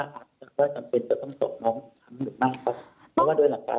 อาจจะก็จำเป็นจะต้องสอบน้องน้ำหนึ่งมากครับ